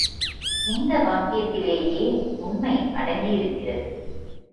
இந்த வாக்கியத்திலேயே உண்மை அடங்கியிருக்கிறது.